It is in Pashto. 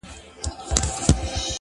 پر دې متل باندي څه شك پيدا سو ـ